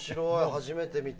初めて見た。